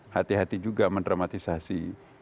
hati hati juga mendramatisasi